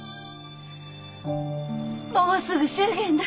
もうすぐ祝言だ。